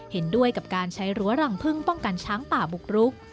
เห็นด้วยกับการใช้รั้วรังพึ่งป้องกันช้างป่าบุกรุก